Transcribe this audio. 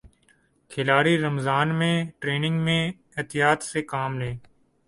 کھلاڑی رمضان میں ٹریننگ میں احتیاط سے کام لیں